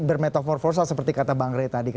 bermetaforforsal seperti kata bang res tadi